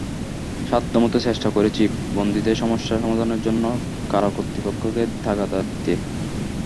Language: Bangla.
সাধ্যমতো চেষ্টা করেছি বন্দীদের সমস্যা সমাধানের জন্য কারা কর্তৃপক্ষকে তাগাদা দিতে।